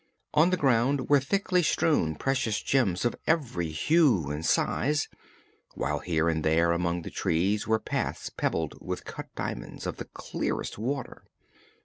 On the ground were thickly strewn precious gems of every hue and size, while here and there among the trees were paths pebbled with cut diamonds of the clearest water.